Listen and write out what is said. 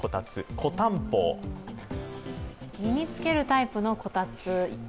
身につけるタイプのこたつ。